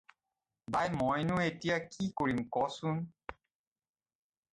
বাই মইনো এতিয়া কি কৰিম কচোন?